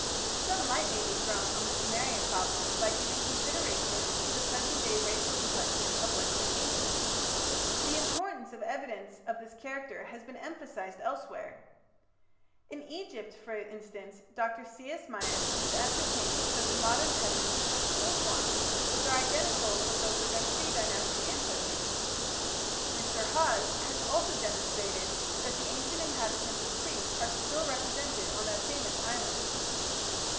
Some light may be thrown on the Sumerian problem by giving consideration to the present day racial complexion of Western Asia. The importance of evidence of this character has been emphasized elsewhere. In Egypt, for instance, Dr. C.S. Myers has ascertained that the modern peasants have skull forms which are identical with those of their pre Dynastic ancestors. Mr. Hawes has also demonstrated that the ancient inhabitants of Crete are still represented on that famous island.